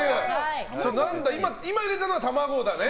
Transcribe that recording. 今入れたのは卵だね。